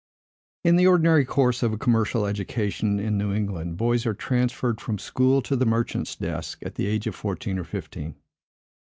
In the ordinary course of a commercial education, in New England, boys are transferred from school to the merchant's desk at the age of fourteen or fifteen.